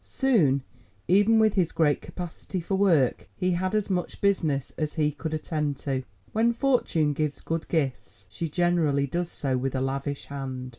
Soon, even with his great capacity for work, he had as much business as he could attend to. When fortune gives good gifts, she generally does so with a lavish hand.